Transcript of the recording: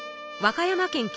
和歌山県